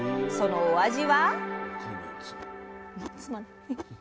そのお味は。